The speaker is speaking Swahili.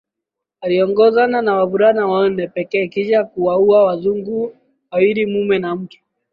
Aliongozana na wavulana wanne pekee kisha kuwauwa Wazungwa wawili mume na mke